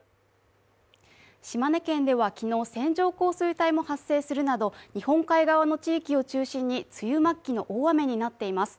島根県では昨日、線状降水帯も発生するなど日本海側の地域を中心に梅雨末期の大雨になっています。